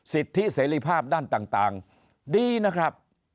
สิทธิเสรีภาพด้านต่างดีนะครับ